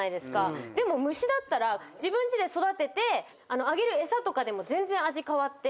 でも虫だったら自分ちで育ててあげる餌とかでも全然味変わって。